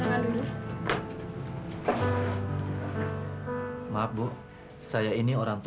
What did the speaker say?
awas sela berisik lagi